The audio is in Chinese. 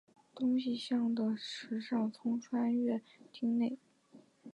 东西向的池上通穿越町内。